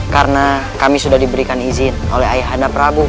karena kami sudah diberikan izin oleh ayah handa prabu